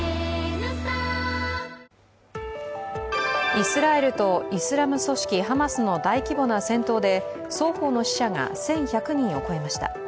イスラエルとイスラム組織ハマスの大規模な戦闘で双方の死者が１１００人を超えました。